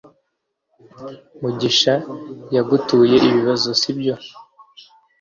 mugisha yaguteye ibibazo, sibyo?